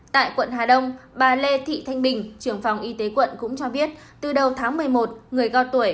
tại quận hà đông bà lê thị thanh bình trưởng phòng y tế quận cũng cho biết từ đầu tháng một mươi một người cao tuổi